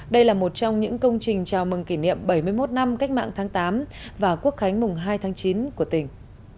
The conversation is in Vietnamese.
đây là một trong những công trình chào mừng kỷ niệm bảy mươi một năm cách mạng tháng tám và quốc khánh mùng hai tháng chín của tỉnh